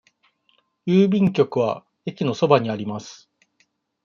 郵便局は駅のそばにあります。